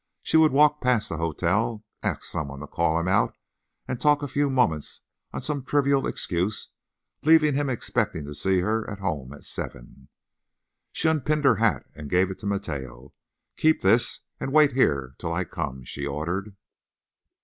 She would walk past the hotel, ask some one to call him out and talk a few moments on some trivial excuse, leaving him expecting to see her at her home at seven. She unpinned her hat and gave it to Mateo. "Keep this, and wait here till I come," she ordered.